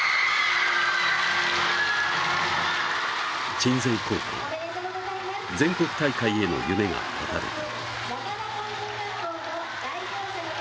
鎮西高校全国大会への夢が絶たれた。